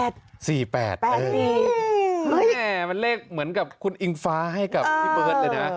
เลขมันเลขเหมือนกับคุณอิงฟ้าให้กับพี่เบิร์ตเลยนะ